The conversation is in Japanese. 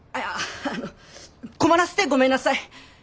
困らせてごめんなさい。